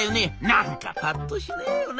「何かぱっとしねえよな。